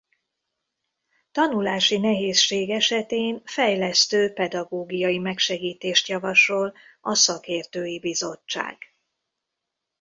Tanulási nehézség esetén fejlesztő pedagógiai megsegítést javasol a Szakértői Bizottság.